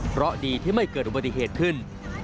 เพราะดีที่ไม่เกิดอุบัติเหตุขึ้น